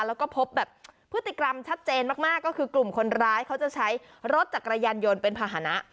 แล้วก็พบแบบพฤติกรรมชัดเจนมากก็คือกลุ่มคนร้ายเขาจะใช้รถจักรยานยนต์เป็นภาษณะ